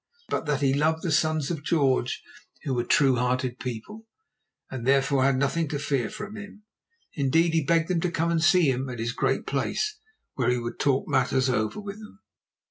But that he loved the Sons of George, who were true hearted people, and therefore had nothing to fear from him. Indeed, he begged them to come and see him at his Great Place, where he would talk matters over with them.